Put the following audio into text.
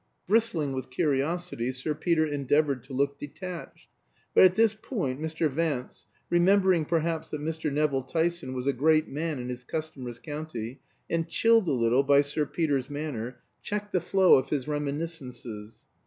Bristling with curiosity, Sir Peter endeavored to look detached. But at this point Mr. Vance, remembering, perhaps, that Mr. Nevill Tyson was a great man in his customer's county, and chilled a little by Sir Peter's manner, checked the flow of his reminiscences.